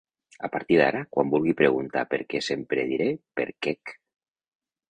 A partir d'ara quan vulgui preguntar per què sempre diré per quec.